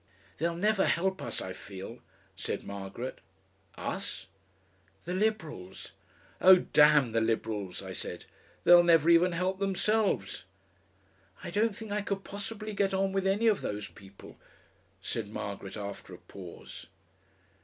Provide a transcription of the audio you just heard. "They'll never help us, I feel," said Margaret. "Us?" "The Liberals." "Oh, damn the Liberals!" I said. "They'll never even help themselves." "I don't think I could possibly get on with any of those people," said Margaret, after a pause.